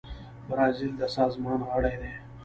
برازیل د سازمان غړی دی.